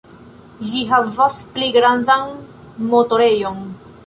Ĝi havas pli grandan motorejon.